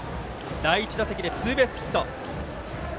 第１打席でツーベースヒット。